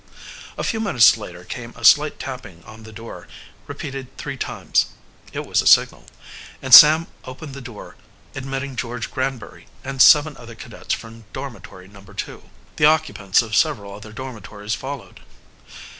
A few minutes later came a slight tapping on the door, repeated three times. It was a signal, and Sam opened the door, admitting George Granbury and seven other cadets from dormitory No. 2. The occupants of several other dormitories followed.